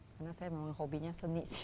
karena saya memang hobinya seni sih